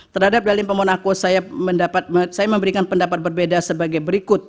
terhadap dalil pemohon aku saya memberikan pendapat berbeda sebagai berikut